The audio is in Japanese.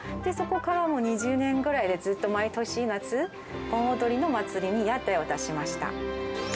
そこからもう２０年ぐらいで、ずっと毎年夏、盆踊りの祭りに屋台を出しました。